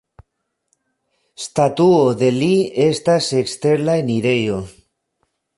Statuo de li estas ekster la enirejo.